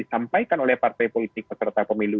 disampaikan oleh partai politik peserta pemilu